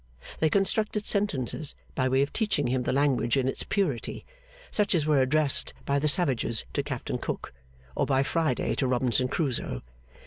They constructed sentences, by way of teaching him the language in its purity, such as were addressed by the savages to Captain Cook, or by Friday to Robinson Crusoe.